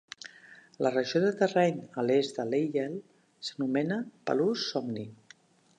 La regió de terreny a l'est de Lyell s'anomena Palus Somni.